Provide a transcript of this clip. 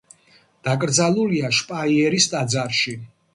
დაკრძალულია შპაიერის ტაძარში.